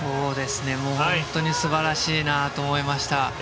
本当に素晴らしいなと思いました。